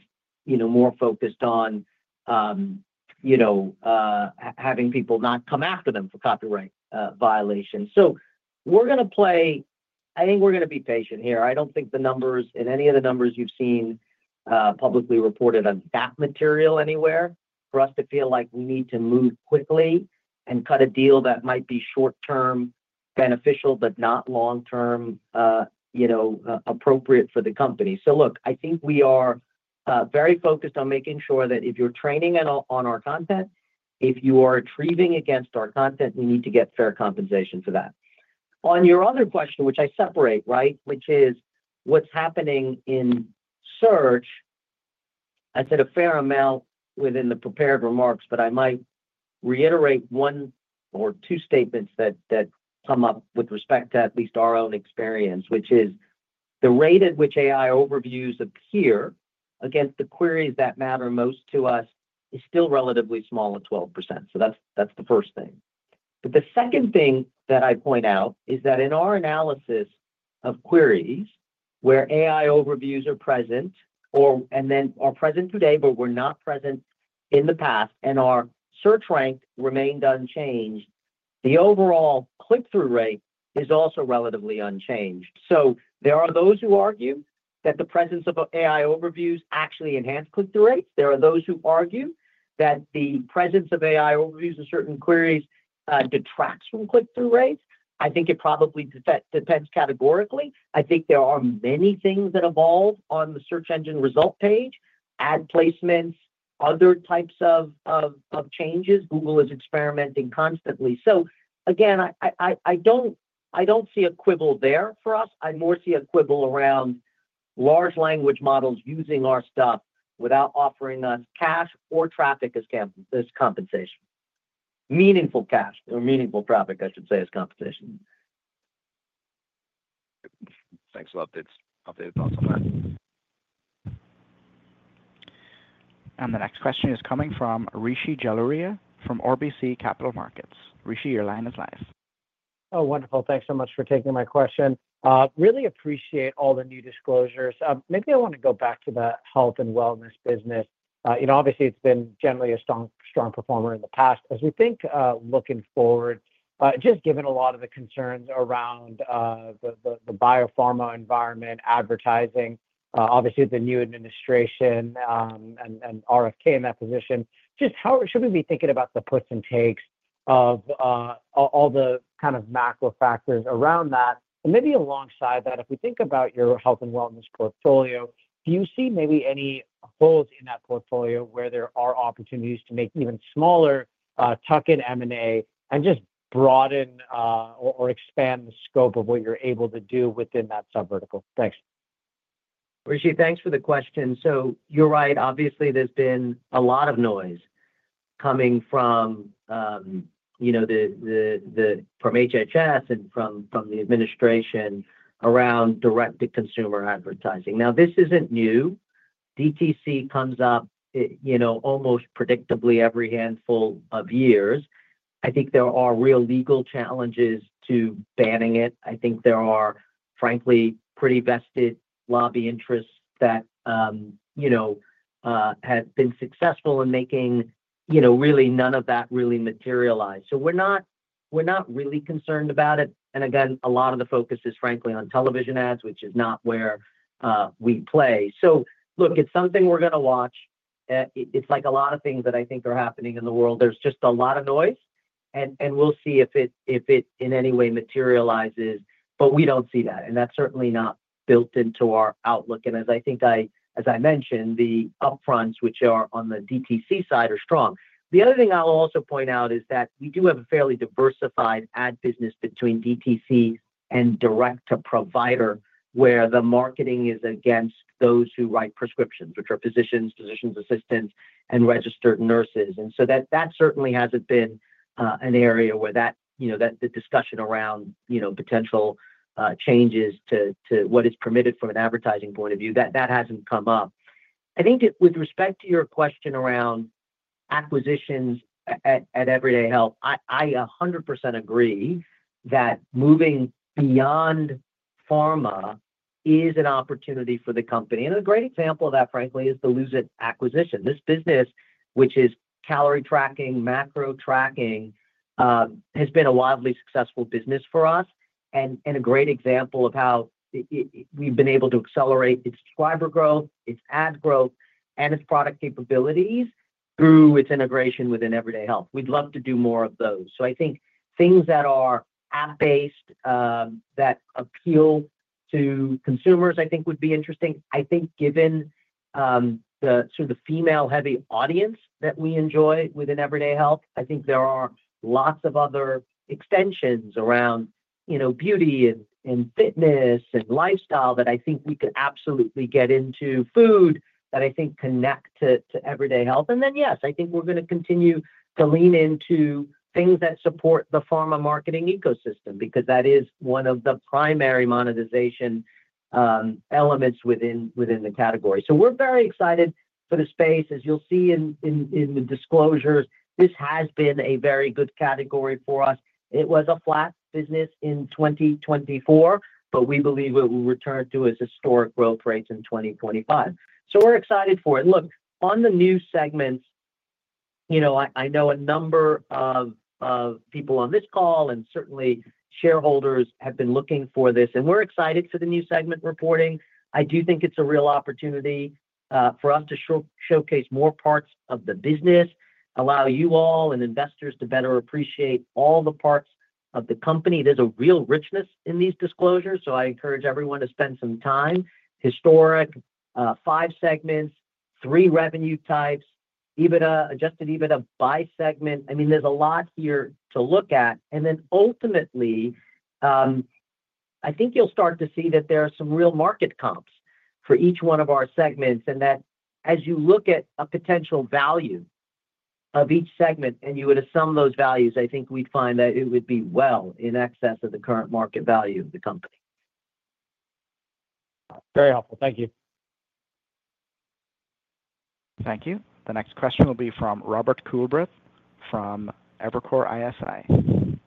S3: more focused on having people not come after them for copyright violations. We're going to play. I think we're going to be patient here. I don't think the numbers in any of the numbers you've seen publicly reported on that material anywhere for us to feel like we need to move quickly and cut a deal that might be short-term beneficial, but not long-term appropriate for the company. So look, I think we are very focused on making sure that if you're training on our content, if you are advertising against our content, we need to get fair compensation for that. On your other question, which I separate, right, which is what's happening in search, I said a fair amount within the prepared remarks, but I might reiterate one or two statements that come up with respect to at least our own experience, which is the rate at which AI Overviews appear against the queries that matter most to us is still relatively small at 12%. So that's the first thing. But the second thing that I point out is that in our analysis of queries where AI Overviews are present and then are present today, but were not present in the past, and our search rank remained unchanged, the overall click-through rate is also relatively unchanged. So there are those who argue that the presence of AI Overviews actually enhanced click-through rates. There are those who argue that the presence of AI Overviews in certain queries detracts from click-through rates. I think it probably depends categorically. I think there are many things that evolve on the search engine result page, ad placements, other types of changes. Google is experimenting constantly. So again, I don't see a quibble there for us. I more see a quibble around large language models using our stuff without offering us cash or traffic as compensation. Meaningful cash or meaningful traffic, I should say, as compensation.
S5: Thanks a lot. Those are my thoughts on that.
S1: And the next question is coming from Rishi Jaluria from RBC Capital Markets. Rishi, your line is live.
S6: Oh, wonderful. Thanks so much for taking my question. Really appreciate all the new disclosures. Maybe I want to go back to the health and wellness business. Obviously, it's been generally a strong performer in the past. As we think looking forward, just given a lot of the concerns around the biopharma environment, advertising, obviously the new administration and RFK in that position, just how should we be thinking about the puts and takes of all the kind of macro factors around that? And maybe alongside that, if we think about your health and wellness portfolio, do you see maybe any holes in that portfolio where there are opportunities to make even smaller, tuck in M&A and just broaden or expand the scope of what you're able to do within that subvertical? Thanks.
S3: Rishi, thanks for the question. So you're right. Obviously, there's been a lot of noise coming from HHS and from the administration around direct-to-consumer advertising. Now, this isn't new. DTC comes up almost predictably every handful of years. I think there are real legal challenges to banning it. I think there are, frankly, pretty vested lobby interests that have been successful in making really none of that really materialize. So we're not really concerned about it. And again, a lot of the focus is, frankly, on television ads, which is not where we play. So look, it's something we're going to watch. It's like a lot of things that I think are happening in the world. There's just a lot of noise. And we'll see if it in any way materializes. But we don't see that. And that's certainly not built into our outlook. And as I think, as I mentioned, the upfronts, which are on the DTC side, are strong. The other thing I'll also point out is that we do have a fairly diversified ad business between DTC and direct-to-provider, where the marketing is against those who write prescriptions, which are physicians, physician's assistants, and registered nurses. And so that certainly hasn't been an area where the discussion around potential changes to what is permitted from an advertising point of view, that hasn't come up. I think with respect to your question around acquisitions at Everyday Health, I 100% agree that moving beyond pharma is an opportunity for the company. And a great example of that, frankly, is the Lose It acquisition. This business, which is calorie tracking, macro tracking, has been a wildly successful business for us and a great example of how we've been able to accelerate its fiber growth, its ad growth, and its product capabilities through its integration within Everyday Health. We'd love to do more of those, so I think things that are app-based that appeal to consumers, I think, would be interesting. I think given the sort of female-heavy audience that we enjoy within Everyday Health, I think there are lots of other extensions around beauty and fitness and lifestyle that I think we could absolutely get into, food that I think connect to Everyday Health, and then, yes, I think we're going to continue to lean into things that support the pharma marketing ecosystem because that is one of the primary monetization elements within the category, so we're very excited for the space. As you'll see in the disclosures, this has been a very good category for us. It was a flat business in 2024, but we believe it will return to its historic growth rates in 2025, so we're excited for it. Look, on the news segments, I know a number of people on this call and certainly shareholders have been looking for this, and we're excited for the new segment reporting. I do think it's a real opportunity for us to showcase more parts of the business, allow you all and investors to better appreciate all the parts of the company. There's a real richness in these disclosures. So I encourage everyone to spend some time. Historic, five segments, three revenue types, Adjusted EBITDA by segment. I mean, there's a lot here to look at. And then ultimately, I think you'll start to see that there are some real market comps for each one of our segments and that as you look at a potential value of each segment and you would assume those values, I think we'd find that it would be well in excess of the current market value of the company.
S6: Very helpful. Thank you.
S1: Thank you. The next question will be from Robert Coolbrith from Evercore ISI.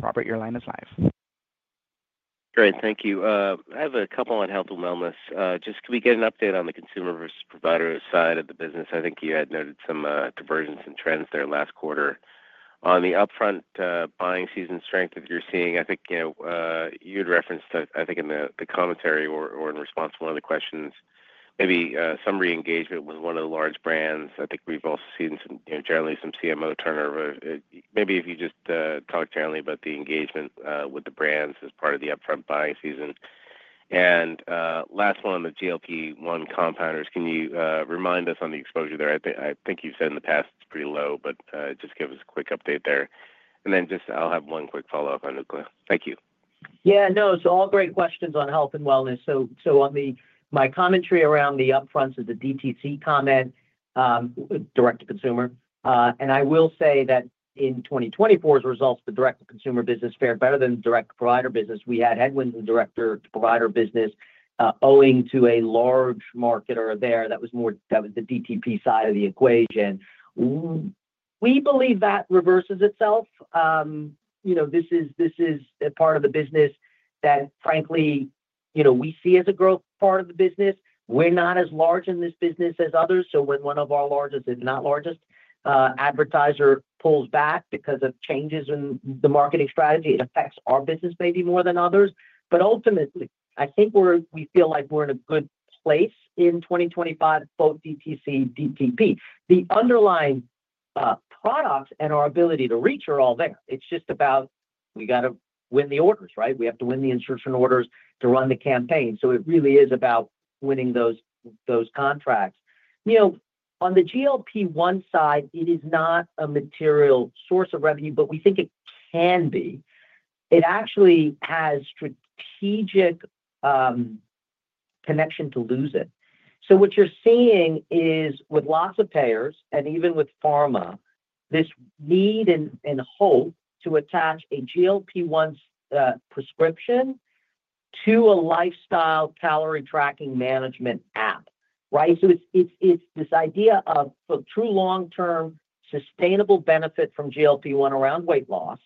S1: Robert, your line is live.
S7: Great. Thank you. I have a couple on health and wellness. Just can we get an update on the consumer versus provider side of the business? I think you had noted some divergence in trends there last quarter. On the upfront buying season strength, if you're seeing, I think you'd referenced, I think, in the commentary or in response to one of the questions, maybe some re-engagement with one of the large brands. I think we've also seen generally some CMO turnover. Maybe if you just talk generally about the engagement with the brands as part of the upfront buying season. And last one, the GLP-1 compounders. Can you remind us on the exposure there? I think you've said in the past it's pretty low, but just give us a quick update there. And then just I'll have one quick follow-up on nuclear. Thank you.
S2: Yeah, no, it's all great questions on health and wellness. So my commentary around the upfronts is the DTC comment, direct-to-consumer. And I will say that in 2024's results, the direct-to-consumer business fared better than the direct-to-provider business. We had headwinds in the direct-to-provider business owing to a large marketer there that was the DTP side of the equation. We believe that reverses itself. This is part of the business that, frankly, we see as a growth part of the business. We're not as large in this business as others. So when one of our largest and not largest advertisers pulls back because of changes in the marketing strategy, it affects our business maybe more than others. But ultimately, I think we feel like we're in a good place in 2025, both DTC and DTP. The underlying product and our ability to reach are all there. It's just about we got to win the orders, right? We have to win the insertion orders to run the campaign. So it really is about winning those contracts. On the GLP-1 side, it is not a material source of revenue, but we think it can be. It actually has strategic connection to Lose It!. So what you're seeing is with lots of payers and even with pharma, this need and hope to attach a GLP-1 prescription to a lifestyle calorie tracking management app, right? So it's this idea of true long-term sustainable benefit from GLP-1 around weight loss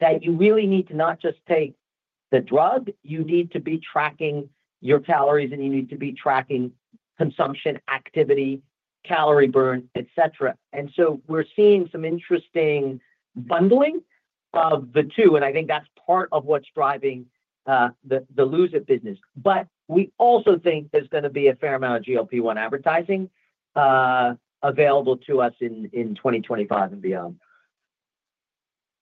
S2: that you really need to not just take the drug, you need to be tracking your calories and you need to be tracking consumption, activity, calorie burn, etc. And so we're seeing some interesting bundling of the two. And I think that's part of what's driving the Lose It! business. But we also think there's going to be a fair amount of GLP-1 advertising available to us in 2025 and beyond.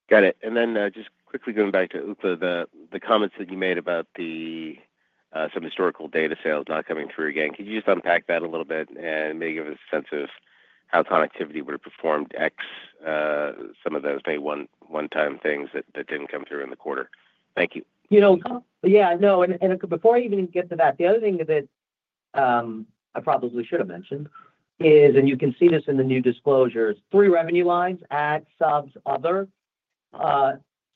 S7: Got it. And then just quickly going back to Ookla, the comments that you made about some historical data sales not coming through again. Could you just unpack that a little bit and maybe give us a sense of how connectivity would have performed ex, some of those maybe one-time things that didn't come through in the quarter? Thank you.
S2: Yeah, no. And before I even get to that, the other thing that I probably should have mentioned is, and you can see this in the new disclosures, three revenue lines: ads, subs, other.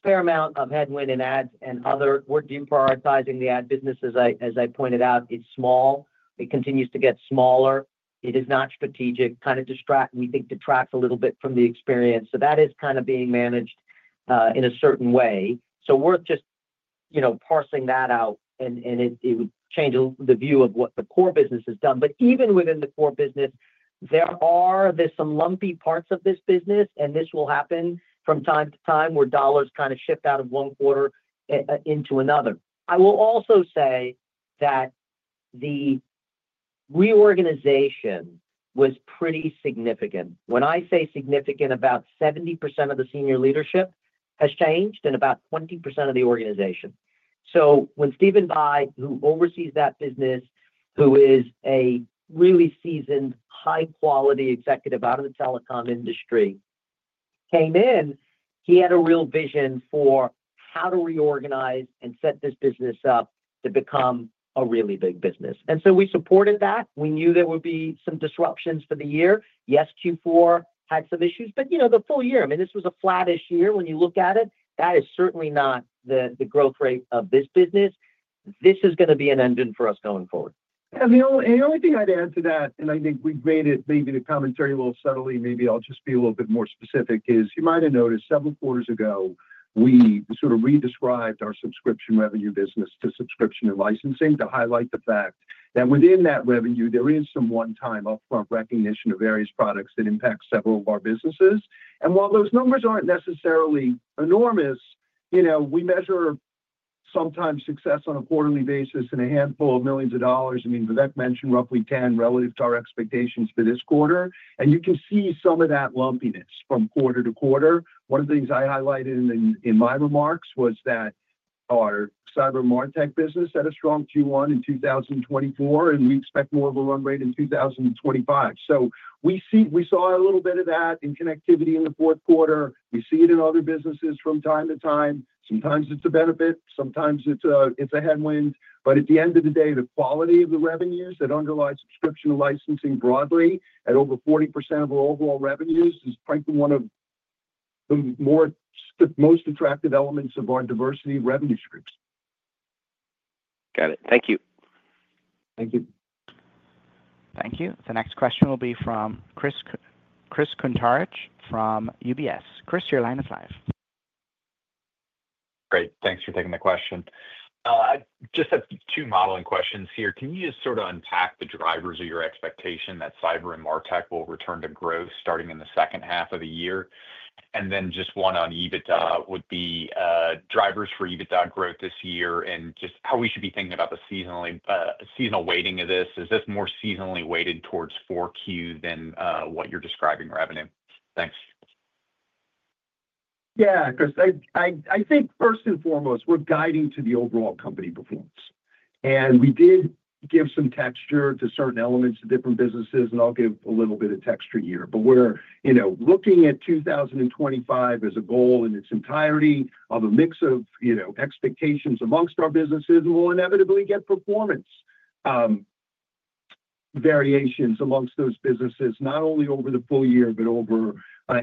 S2: Fair amount of headwind in ads and other. We're de-prioritizing the ad business, as I pointed out. It's small. It continues to get smaller. It is not strategic. Kind of we think detracts a little bit from the experience. So that is kind of being managed in a certain way. So worth just parsing that out. And it would change the view of what the core business has done. But even within the core business, there are some lumpy parts of this business, and this will happen from time to time where dollars kind of shift out of one quarter into another. I will also say that the reorganization was pretty significant. When I say significant, about 70% of the senior leadership has changed and about 20% of the organization. So when Stephen Bye, who oversees that business, who is a really seasoned, high-quality executive out of the telecom industry, came in, he had a real vision for how to reorganize and set this business up to become a really big business, and so we supported that. We knew there would be some disruptions for the year. Yes, Q4 had some issues, but the full year, I mean, this was a flattish year when you look at it. That is certainly not the growth rate of this business. This is going to be an engine for us going forward.
S3: The only thing I'd add to that, and I think we've made it maybe the commentary will subtly, maybe I'll just be a little bit more specific, is you might have noticed several quarters ago, we sort of redescribed our subscription revenue business to subscription and licensing to highlight the fact that within that revenue, there is some one-time upfront recognition of various products that impact several of our businesses. And while those numbers aren't necessarily enormous, we measure sometimes success on a quarterly basis and a handful of millions of dollars. I mean, Vivek mentioned roughly 10 relative to our expectations for this quarter. And you can see some of that lumpiness from quarter to quarter. One of the things I highlighted in my remarks was that our cyber MarTech business had a strong Q1 in 2024, and we expect more of a run rate in 2025. So we saw a little bit of that in connectivity in the Q4. We see it in other businesses from time to time. Sometimes it's a benefit. Sometimes it's a headwind. But at the end of the day, the quality of the revenues that underlie subscription licensing broadly at over 40% of our overall revenues is frankly one of the most attractive elements of our diversity revenue streams.
S7: Got it. Thank you.
S2: Thank you.
S1: Thank you. The next question will be from Chris Kuntarich from UBS. Chris, your line is live.
S8: Great. Thanks for taking the question. I just have two modeling questions here. Can you just sort of unpack the drivers of your expectation that cyber and MarTech will return to growth starting in the second half of the year? And then just one on EBITDA would be drivers for EBITDA growth this year and just how we should be thinking about the seasonal weighting of this. Is this more seasonally weighted towards 4Q than what you're describing revenue? Thanks.
S2: Yeah, Chris, I think first and foremost, we're guiding to the overall company performance. And we did give some texture to certain elements of different businesses, and I'll give a little bit of texture here. But we're looking at 2025 as a goal in its entirety of a mix of expectations amongst our businesses, and we'll inevitably get performance variations amongst those businesses, not only over the full year, but over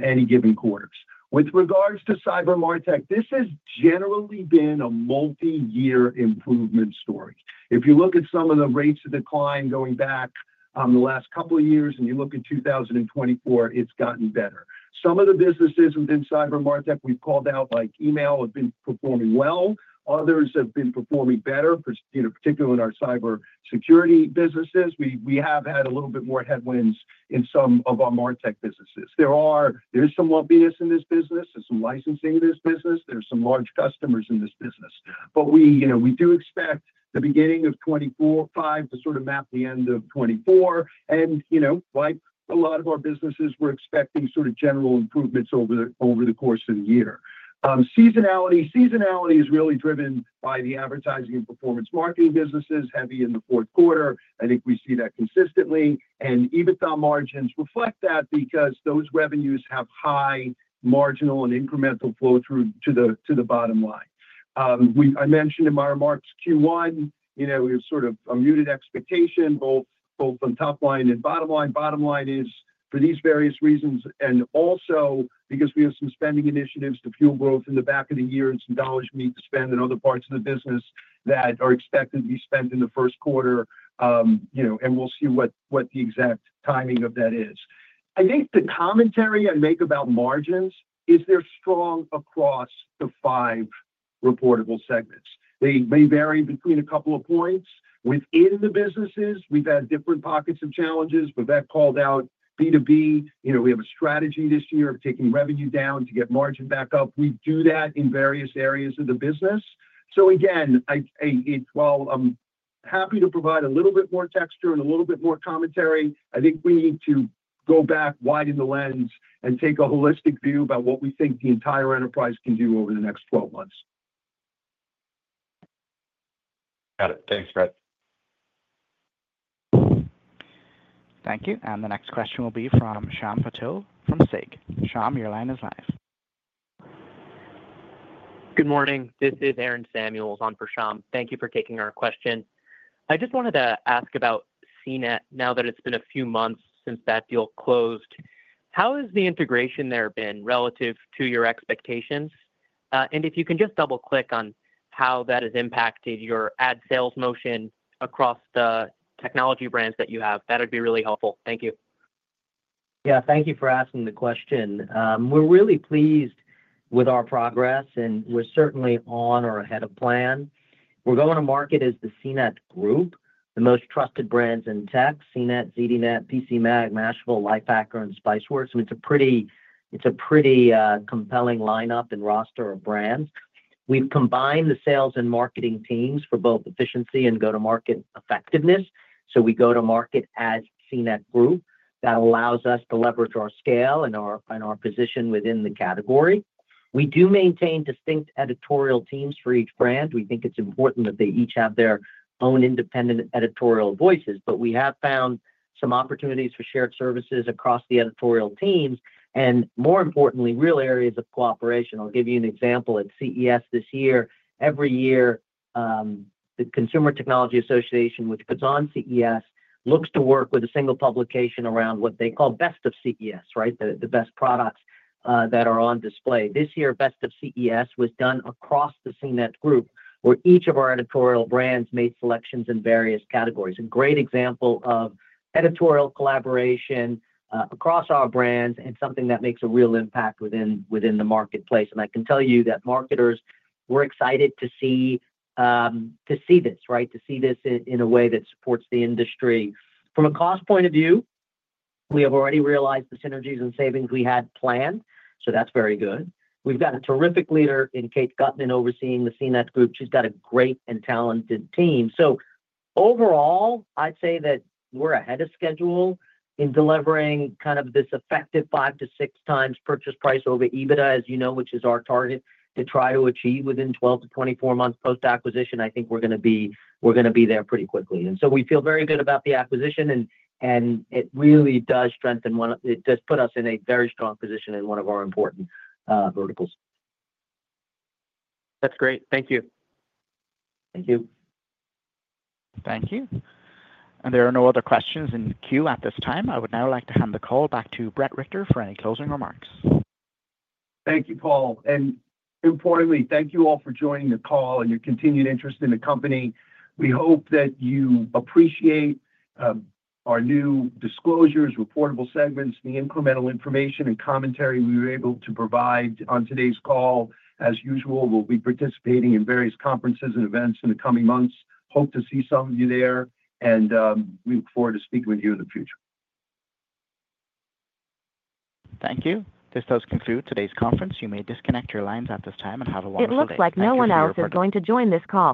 S2: any given quarters. With regards to cyber MarTech, this has generally been a multi-year improvement story. If you look at some of the rates of decline going back the last couple of years, and you look at 2024, it's gotten better. Some of the businesses within cyber MarTech we've called out like email have been performing well. Others have been performing better, particularly in our cyber security businesses. We have had a little bit more headwinds in some of our MarTech businesses. There is some lumpiness in this business. There's some licensing in this business. There's some large customers in this business, but we do expect the beginning of 2025 to sort of map the end of 2024, and like a lot of our businesses, we're expecting sort of general improvements over the course of the year. Seasonality is really driven by the advertising and performance marketing businesses, heavy in the Q4. I think we see that consistently, and EBITDA margins reflect that because those revenues have high marginal and incremental flow through to the bottom line. I mentioned in my remarks Q1, we have sort of a muted expectation, both on top line and bottom line. Bottom line is for these various reasons, and also because we have some spending initiatives to fuel growth in the back of the year and some dollars we need to spend in other parts of the business that are expected to be spent in the Q1, and we'll see what the exact timing of that is. I think the commentary I make about margins is they're strong across the five reportable segments. They may vary between a couple of points. Within the businesses, we've had different pockets of challenges. Vivek called out B2B. We have a strategy this year of taking revenue down to get margin back up. We do that in various areas of the business. So again, while I'm happy to provide a little bit more texture and a little bit more commentary, I think we need to go back, widen the lens, and take a holistic view about what we think the entire enterprise can do over the next 12 months.
S9: Got it. Thanks, Brett.
S1: Thank you. And the next question will be from Shyam Patil from SIG. Shyaean, your line is live.
S10: Good morning. This is Aaron Samuels on for Shyam. Thank you for taking our question. I just wanted to ask about CNET now that it's been a few months since that deal closed. How has the integration there been relative to your expectations? And if you can just double-click on how that has impacted your ad sales motion across the technology brands that you have, that would be really helpful. Thank you.
S2: Yeah, thank you for asking the question. We're really pleased with our progress, and we're certainly on or ahead of plan. We're going to market as the CNET Group, the most trusted brands in tech: CNET, ZDNET, PCMag, Mashable, Lifehacker, and Spiceworks. I mean, it's a pretty compelling lineup and roster of brands. We've combined the sales and marketing teams for both efficiency and go-to-market effectiveness. So we go-to-market as CNET Group. That allows us to leverage our scale and our position within the category. We do maintain distinct editorial teams for each brand. We think it's important that they each have their own independent editorial voices, but we have found some opportunities for shared services across the editorial teams and, more importantly, real areas of cooperation. I'll give you an example. At CES this year, every year, the Consumer Technology Association, which puts on CES, looks to work with a single publication around what they call Best of CES, right? The best products that are on display. This year, Best of CES was done across the CNET Group, where each of our editorial brands made selections in various categories. A great example of editorial collaboration across our brands and something that makes a real impact within the marketplace. And I can tell you that marketers, we're excited to see this, right? To see this in a way that supports the industry. From a cost point of view, we have already realized the synergies and savings we had planned. So that's very good. We've got a terrific leader in Kate Gutman overseeing the CNET Group. She's got a great and talented team. Overall, I'd say that we're ahead of schedule in delivering kind of this effective five- to six-times purchase price over EBITDA, as you know, which is our target to try to achieve within 12-24 months post-acquisition. I think we're going to be there pretty quickly. We feel very good about the acquisition, and it really does strengthen one of it does put us in a very strong position in one of our important verticals.
S10: That's great. Thank you.
S2: Thank you.
S1: Thank you. There are no other questions in queue at this time. I would now like to hand the call back to Bret Richter for any closing remarks.
S2: Thank you, Paul. And importantly, thank you all for joining the call and your continued interest in the company. We hope that you appreciate our new disclosures, reportable segments, the incremental information and commentary we were able to provide on today's call. As usual, we'll be participating in various conferences and events in the coming months. Hope to see some of you there, and we look forward to speaking with you in the future.
S1: Thank you. This does conclude today's conference. You may disconnect your lines at this time and have a wonderful day. It looks like no one else is going to join this call.